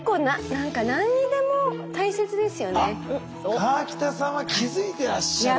河北さんは気付いてらっしゃる。